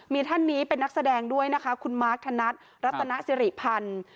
มีท่านนี้เป็นนักแสดงด้วยนะคะคุณมาร์คธนัดรัตนสิริพันธ์